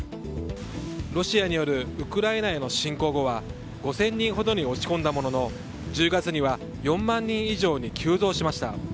ロシアによるウクライナへの侵攻後は５０００人ほどに落ち込んだものの１０月には４万人以上に急増しました。